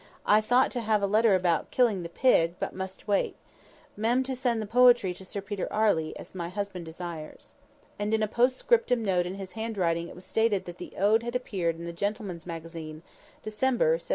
I thowt to have had a letter about killing the pig, but must wait. Mem., to send the poetry to Sir Peter Arley, as my husband desires." And in a post scriptum note in his handwriting it was stated that the Ode had appeared in the Gentleman's Magazine, December 1782.